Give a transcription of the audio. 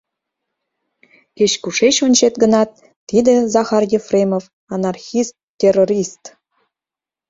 Кеч-кушеч ончет гынат, тиде Захар Ефремов — анархист-террорист!